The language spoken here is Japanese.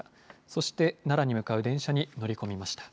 そして、奈良に向かう電車に乗り込みました。